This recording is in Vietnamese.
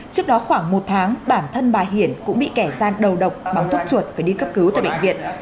trước đó khoảng một tháng bản thân bà hiển cũng bị kẻ gian đầu độc bằng thuốc chuột phải đi cấp cứu tại bệnh viện